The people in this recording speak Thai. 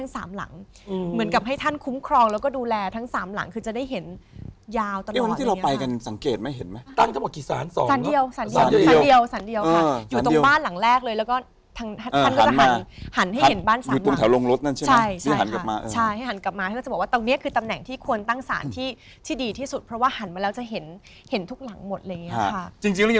สามหลังอืมเหมือนกับให้ท่านคุ้มครองแล้วก็ดูแลทั้งสามหลังคือจะได้เห็นยาวตลอดที่เราไปกันสังเกตไหมเห็นไหมตั้งก็บอกกี่สารสองสารเดียวสารเดียวสารเดียวสารเดียวค่ะอยู่ตรงบ้านหลังแรกเลยแล้วก็ท่านท่านก็จะหันหันให้เห็นบ้านสารอยู่ตรงแถวลงรถนั่นใช่ไหมใช่ใช่ให้หันกลับมาใช่ให้หันกลับมาเขาจะบอกว่าตรงเ